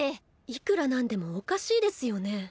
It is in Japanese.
いくら何でもおかしいですよね。